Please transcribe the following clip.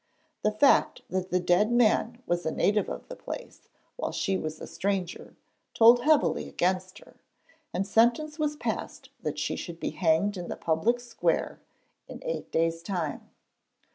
The fact that the dead man was a native of the place, while she was a stranger, told heavily against her, and sentence was passed that she should be hanged in the public square in eight days' time.